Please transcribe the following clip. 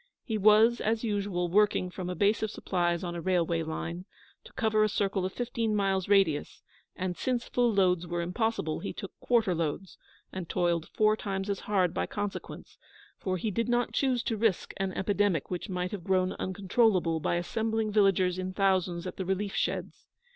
He was, as usual, working from a base of supplies on a railway line, to cover a circle of fifteen miles radius, and since full loads were impossible, he took quarter loads, and toiled four times as hard by consequence; for he did not choose to risk an epidemic which might have grown uncontrollable by assembling villagers in thousands at the relief sheds.